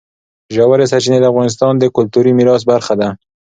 ژورې سرچینې د افغانستان د کلتوري میراث برخه ده.